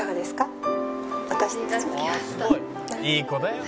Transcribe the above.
「いい子だよ」